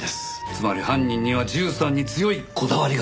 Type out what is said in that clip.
つまり犯人には１３に強いこだわりがある。